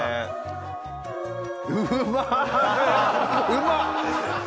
うまっ！